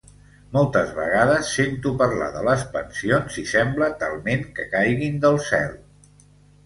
Moltes vegades sento parlar de les pensions i sembla talment que caiguin del cel.